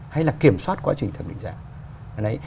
hay là kiểm soát quá trình thẩm định giá